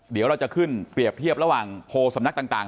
เดี๋ยวเราจะขึ้นเปรียบเทียบระหว่างโพลสำนักต่าง